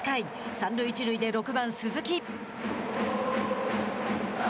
三塁一塁で６番鈴木。